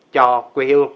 cho quê hương của mình